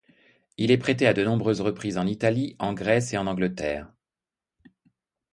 Il est prêté à de nombreuses reprises en Italie, en Grèce et en Angleterre.